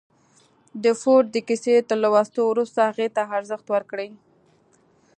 د فورډ د کيسې تر لوستو وروسته هغې ته ارزښت ورکړئ.